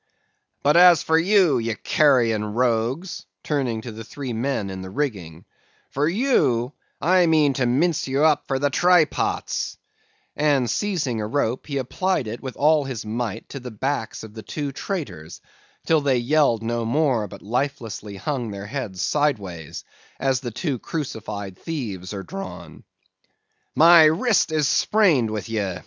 "'But as for you, ye carrion rogues,' turning to the three men in the rigging—'for you, I mean to mince ye up for the try pots;' and, seizing a rope, he applied it with all his might to the backs of the two traitors, till they yelled no more, but lifelessly hung their heads sideways, as the two crucified thieves are drawn. "'My wrist is sprained with ye!